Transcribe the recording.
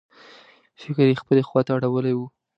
فکر یې خپلې خواته اړولی و.